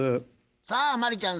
さあ真理ちゃん